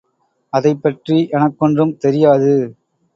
அதைப்பற்றி எனக்கொன்றும் தெரியாது.